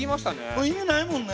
もう意味ないもんね。